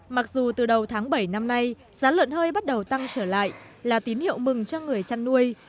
mặc dù từ đầu tháng bảy năm nay giá lợn hơi bắt đầu tăng trở lại là tín hiệu mừng cho người chăn nuôi